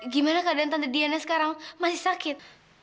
gimana keadaan tanda diana sekarang masih sakit